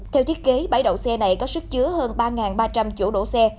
theo thiết kế bãi đậu xe này có sức chứa hơn ba ba trăm linh chỗ đổ xe